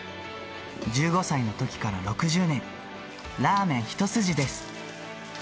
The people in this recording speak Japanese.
１５歳のときから６０年、ラーメン一筋です。